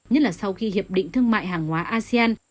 nhất là sau khi hiệp định thương mại hàng hóa asean